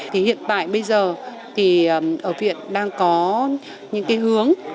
thì hiện tại bây giờ thì ở viện đang có những cái hướng